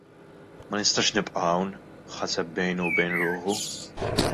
" Ma nistax nibqa' hawn! " ħaseb bejnu u bejn ruħu.